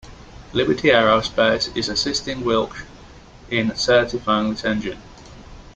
Liberty Aerospace is assisting Wilksch in certifying this engine.